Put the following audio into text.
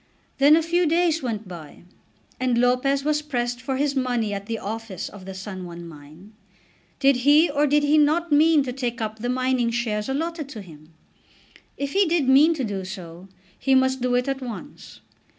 Then a few days went by, and Lopez was pressed for his money at the office of the San Juan mine. Did he or did he not mean to take up the mining shares allotted to him? If he did mean to do so, he must do it at once.